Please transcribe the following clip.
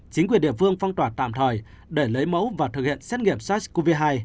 chính quyền địa phương phong tỏa tạm thời để lấy mẫu và thực hiện xét nghiệm sars cov hai